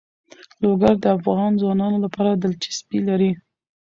لوگر د افغان ځوانانو لپاره دلچسپي لري.